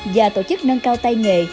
và tổ chức nâng cao tay nghề